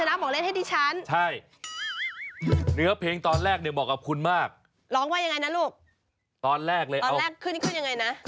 น้ำจนเป็นดินสอภูมิกระดาษซอมบี้